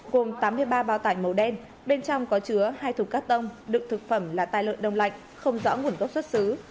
gồm tám mươi ba bao tải màu đen bên trong có chứa hai thùng cắt tông đựng thực phẩm là tài lợn đông lạnh không rõ nguồn gốc xuất xứ